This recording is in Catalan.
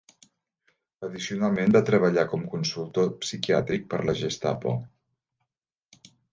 Addicionalment, va treballar com consultor psiquiàtric per la "Gestapo".